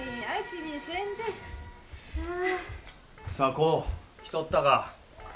房子来とったか。